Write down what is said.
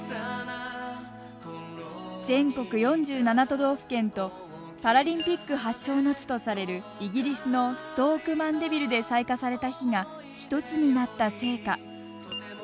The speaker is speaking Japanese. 全国４７都道府県とパラリンピック発祥の地とされるイギリスのストーク・マンデビルで採火された火が一つになった聖火。